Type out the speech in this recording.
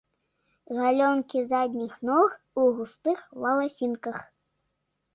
Галёнкі задніх ног у густых валасінках.